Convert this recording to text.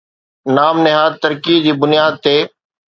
نام نهاد ترقي جي بنياد تي